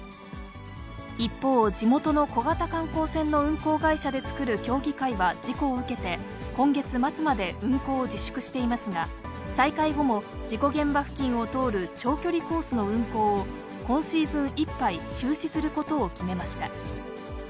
一方、地元の小型観光船の運航会社で作る協議会は事故を受けて、今月末まで運航を自粛していますが、再開後も、事故現場付近を通る長距離コースの運航を、今シーズンいっぱい中止することを決めました。